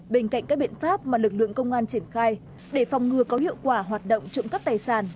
bên cạnh các biện pháp mà lực lượng công an triển khai để phòng ngừa có hiệu quả hoạt động trộm cắp tài sản